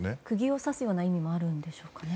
釘を刺すような意味もあるんでしょうかね？